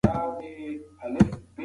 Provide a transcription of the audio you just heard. څوک په کلي کې د اذان ورکولو دنده لري؟